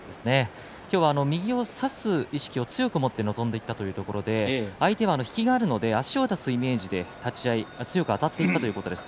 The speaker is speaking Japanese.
今日は右を差す意識を強く持って臨んだということで相手は引きがあるので足を出すイメージで立ち合い強くあたっていったということです。